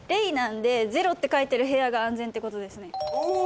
なんで「０」って書いてる部屋が安全ってことですね